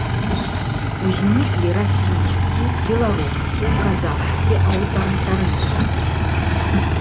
Узніклі расійскі, беларускі, казахскі аўтарытарызмы.